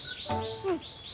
うん。